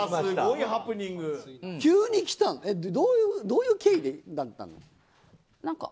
どういう経緯だったんですか。